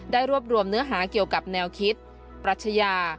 ได้รวบรวมเนื้อหาเกี่ยวกับแนวคิดปรัชญา